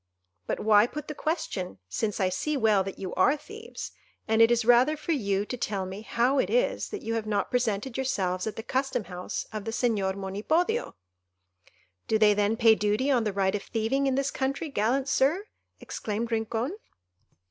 But why put the question, since I see well that you are thieves; and it is rather for you to tell me how it is that you have not presented yourselves at the custom house of the Señor Monipodio." "Do they then pay duty on the right of thieving in this country, gallant Sir?" exclaimed Rincon.